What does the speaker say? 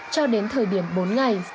cho đến thời điểm bốn ngày